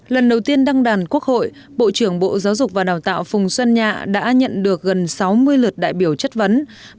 lần đầu tiên đăng đàn quốc hội bộ trưởng bộ giáo dục và đào tạo phùng xuân nhạ đã nhận được gần sáu mươi lượt đại biểu chất vấn